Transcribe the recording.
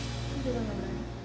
itu nggak berani